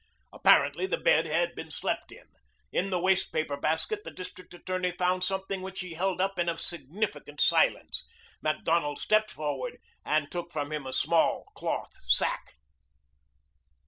Apparently the bed had been slept in. In the waste paper basket the district attorney found something which he held up in a significant silence. Macdonald stepped forward and took from him a small cloth sack.